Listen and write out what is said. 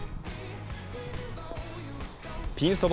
ピンそば